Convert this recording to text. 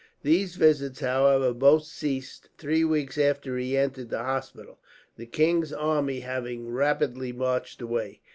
These visits, however, both ceased three weeks after he entered the hospital, the king's army having rapidly marched away.